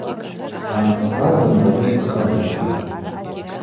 Амцхӏва зымгӏвагьи мцхӏвадзищитӏ.